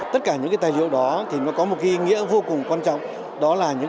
tất cả những tài liệu đó có một ý nghĩa vô cùng quan trọng